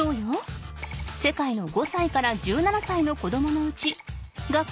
世界の５さいから１７さいの子どものうち。